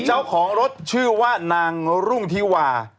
เจ้าของรถชื่อว่านางรุ่งธิวา